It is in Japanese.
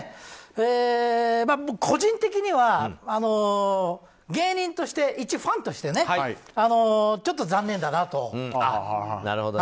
個人的には、芸人として一ファンとしてちょっと残念だなと。